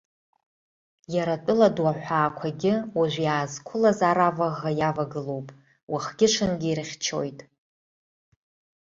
Иара атәыла ду аҳәаақәагьы уажә иаазқәылаз ар аваӷӷа иавагылоуп, уахгьы-ҽынгьы ирыхьчоит.